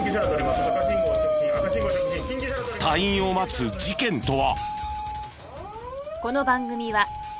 隊員を待つ事件とは。